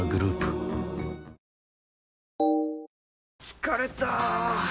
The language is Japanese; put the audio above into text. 疲れた！